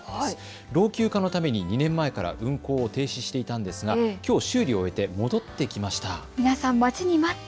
老朽化のために２年前から運行を停止していたんですがきょう修理を終えて戻ってきました。